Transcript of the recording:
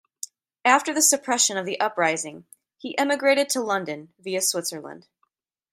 After the suppression of the uprising, he emigrated to London via Switzerland.